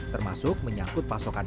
termasuk menyambut pasokan